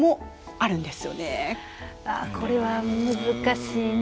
あっこれは難しいね。